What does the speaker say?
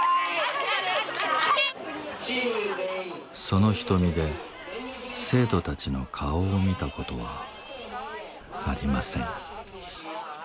その瞳で生徒たちの顔を見たことはありません。